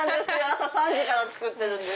⁉朝３時から作ってます。